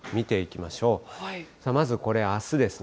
まずこれ、あすですね。